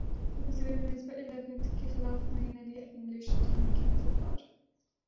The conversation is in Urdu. ابوظہبی میں مصباح الیون کیخلاف معین علی انگلش ٹیم کے مددگار